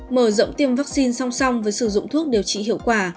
mở rộng tiêm vaccine song song với sử dụng thuốc điều trị hiệu quả